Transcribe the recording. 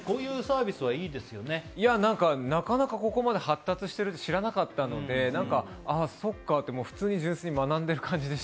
なかなかここまで発達してるって知らなかったのでああ、そっかって、普通に純粋に学んでいる感じです。